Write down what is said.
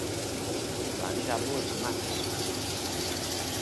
Van xa dúas semanas.